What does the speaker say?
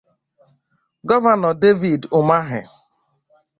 Gọvanọ David Ụmahị